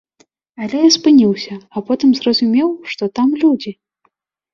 Але я спыніўся, а потым зразумеў, што там людзі!